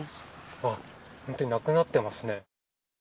あっ、本当になくなってます